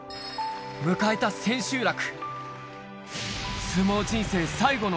迎えた千秋楽